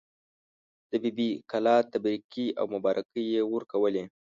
د بي بي کلا تبریکې او مبارکۍ یې ورکولې.